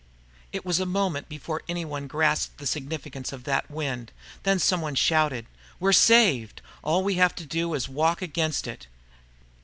It was a moment before anyone grasped the significance of that wind. Then someone shouted, "We're saved! All we have to do is walk against it!"